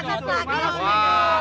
wah ini nama penipu nih